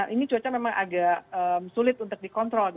ini cuaca memang agak sulit untuk dikontrol